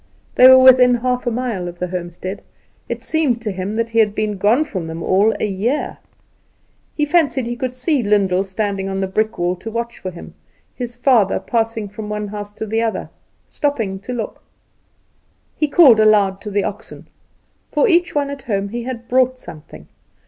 They were within half a mile of the homestead. It seemed to him that he had been gone from them all a year. He fancied he could see Lyndall standing on the brick wall to watch for him; his father, passing from one house to the other, stopping to look. He called aloud to the oxen. For each one at home he had brought something.